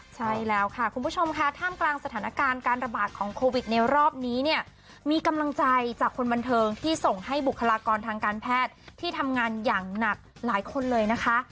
ใช่แล้วค่ะคุณผู้ชมค่ะท่ามกลางสถานการณ์การระบาดของโควิดในรอบนี้เนี่ยมีกำลังใจจากคนบันเทิงที่ส่งให้บุคลากรทางการแพทย์ที่ทำงานอย่างหนักหลายคนเลยนะคะ